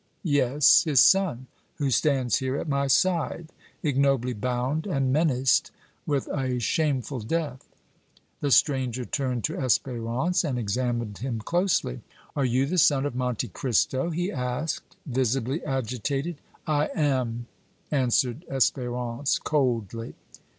"Yes, his son, who stands here at my side, ignobly bound and menaced with a shameful death!" The stranger turned to Espérance and examined him closely. "Are you the son of Monte Cristo?" he asked, visibly agitated. "I am," answered Espérance, coldly.